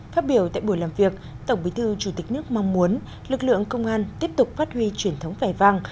phát biểu tại buổi làm việc tổng bí thư chủ tịch nước mong muốn lực lượng công an tiếp tục phát huy truyền thống vẻ vang